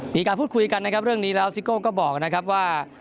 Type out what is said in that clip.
มีการพูดคุยกันนะครับเรื่องนี้แล้วซิโก้ก็บอกนะครับว่า